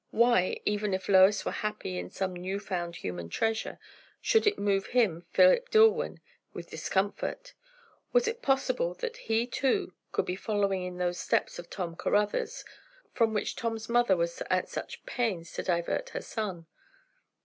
Why, even if Lois were happy in some new found human treasure, should it move him, Philip Dillwyn, with discomfort? Was it possible that he too could be following in those steps of Tom Caruthers, from which Tom's mother was at such pains to divert her son?